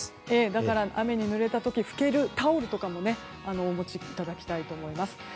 だから、雨にぬれた時拭けるタオルもお持ちいただきたいと思います。